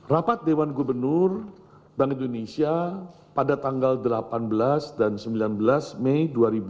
rapat dewan gubernur bank indonesia pada tanggal delapan belas dan sembilan belas mei dua ribu dua puluh